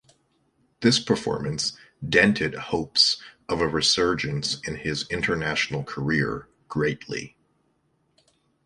This performance dented hopes of a resurgence in his international career greatly.